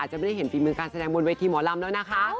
จะไม่ได้เห็นฝีมือการแสดงบนเวทีหมอลำแล้วนะคะ